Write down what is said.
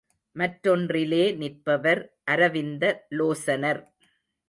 மற்றொன்றிலே நிற்பவர் அரவிந்த லோசனர்.